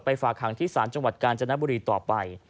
ฝากหางที่ศาลจังหวัดกาญจนบุรีต่อไป